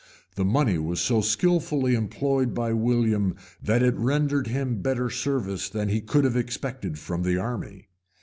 This money was so skilfully employed by William that it rendered him better service than he could have expected from the army.